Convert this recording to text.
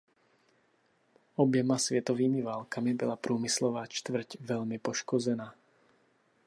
Oběma světovými válkami byla Průmyslová čtvrť velmi poškozena.